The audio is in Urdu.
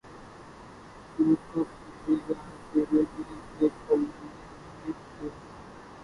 تو کب ملے گا اکیلے میں ایک پل لکھ دے